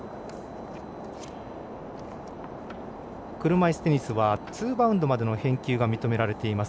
車いすテニスはツーバウンドまでの返球が認められています。